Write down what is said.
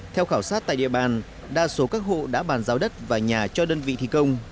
theo khảo sát tại địa bàn đa số các hộ đã bàn giao đất và nhà cho đơn vị thi công